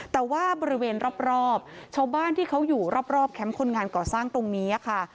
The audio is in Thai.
แต่ว่าบริเวณรอบชาวบ้านที่เขาอยู่รอบแคมป์คนงานก่อสร้างตรงนี้ค่ะ